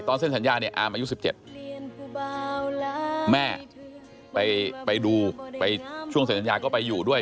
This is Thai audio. เส้นสัญญาเนี่ยอามอายุ๑๗แม่ไปดูไปช่วงเซ็นสัญญาก็ไปอยู่ด้วย